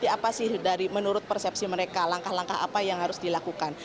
apa sih dari menurut persepsi mereka langkah langkah apa yang harus dilakukan